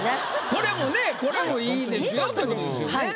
これもねこれもいいですよ。